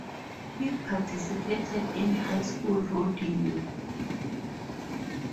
He participated in high school rodeo.